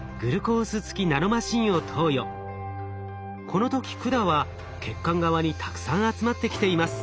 この時管は血管側にたくさん集まってきています。